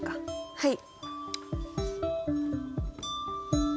はい。